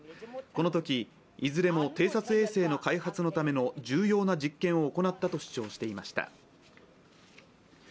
このとき、いずれも偵察衛星の開発のための重要な実験を行ったと主張していました。